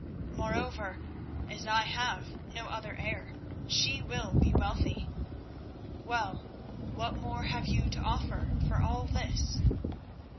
Moreover, as I have no other heir, she will be wealthy. Well, what more have you to offer for all this?"